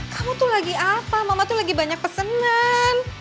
kamu tuh lagi apa mama tuh lagi banyak pesenan